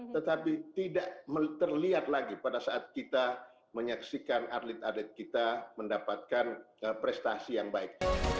tetapi tidak terlihat lagi pada saat kita menyaksikan atlet atlet kita mendapatkan prestasi yang baik